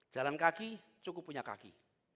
jalan kaki cukup punya kaki